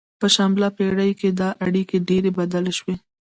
په شلمه پیړۍ کې دا اړیکې ډیرې بدلې شوې